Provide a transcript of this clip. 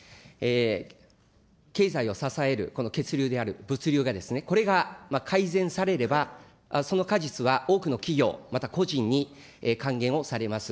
経済を支えるこの血流である物流が、これが改善されれば、その果実は多くの企業、また個人に還元をされます。